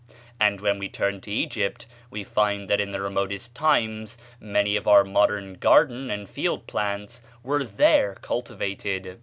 And when we turn to Egypt we find that in the remotest times many of our modern garden and field plants were there cultivated.